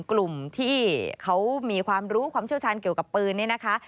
กลุ่มที่เขามีความรู้ความเชี่ยวชาญเกี่ยวกับปืนเนี่ยนะคะ